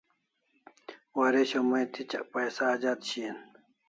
Waresho mai tichak paisa ajat shian